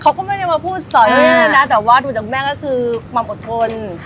เขาก็ไม่ได้มาพูดสอยแม่นะแต่ว่าดูจากแม่ก็คือความอดทน